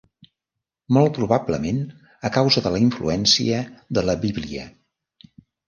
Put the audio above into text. Molt probablement a causa de la influència de la Bíblia.